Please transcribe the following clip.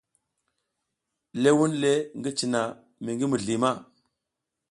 Le vunle ngi cina mi ngi mizli ma.